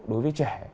đối với trẻ